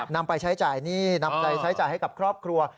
นำไปใช้จ่ายหนี้นำใจใช้จ่ายให้กับครอบครัว